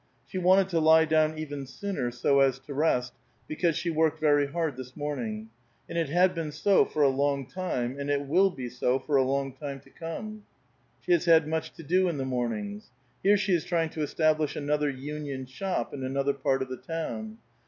She wanted to lie down even sooner, so as to rest, because she worked very hard this morn ing ; and it had been so for a long time, and it will be so for a long time to come : she has had much to do in the mornings. Here she is trying to establish another union shop in another part of the town.